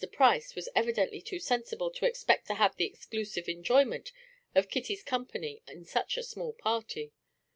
Price was evidently too sensible to expect to have the exclusive enjoyment of Kitty's company in such a small party.